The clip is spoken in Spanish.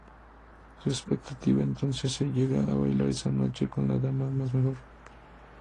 Su expectativa entonces es llegar a bailar esa noche "con la dama más mejor".